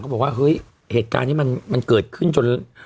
บอกว่าเฮ้ยเหตุการณ์นี้มันเกิดขึ้นจน